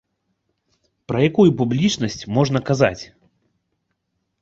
Пра якую публічнасць можна казаць?